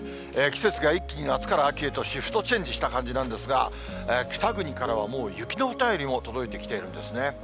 季節が一気に夏から秋へとシフトチェンジした感じなんですが、北国からはもう雪の便りも届いてきているんですね。